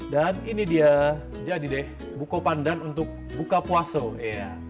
dan ini dia jadi deh buko pandan untuk buka puasa